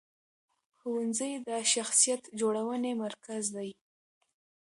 ښوونځی د شخصیت جوړونې مرکز دی.